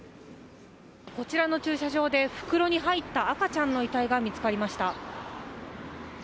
こちらの駐車場で袋に入った赤ちゃんの遺体が見つかりました